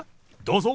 どうぞ。